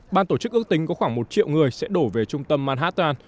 ban tổ chức ước tính có khoảng một triệu người sẽ đổ về trung tâm manhattan